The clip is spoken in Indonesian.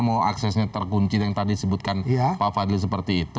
mau aksesnya terkunci yang tadi disebutkan pak fadli seperti itu